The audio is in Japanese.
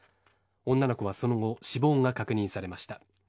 女の子はその後死亡が確認されました。